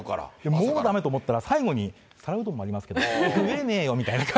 もうだめと思ったら、最後に皿うどんもありますけど、食えねーよって。